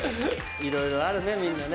いろいろあるねみんなね。